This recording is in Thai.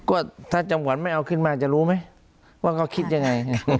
ก็ถ้าจังหวัดไม่เอาขึ้นมาจะรู้ไหมว่าเขาคิดยังไง